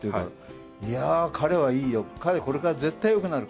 いや彼はいいよ。